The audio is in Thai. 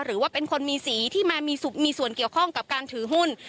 หรือว่าเป็นคนมีสีที่มีส่วนเกี่ยวข้องกับการถือหุ้น